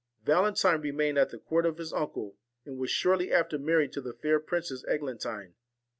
Valentine remained at the court of his uncle, and was shortly after married to the fair Princess Eglantine.